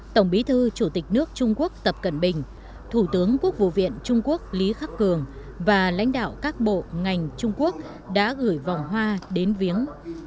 tổng bí thư chủ tịch nước trung quốc tập cận bình thủ tướng quốc vụ viện trung quốc lý khắc cường và lãnh đạo các bộ ngành trung quốc đã gửi vòng hoa đến viếng